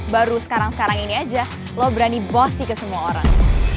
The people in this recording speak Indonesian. baru sekarang sekarang ini aja lo berani bos sih ke semua orang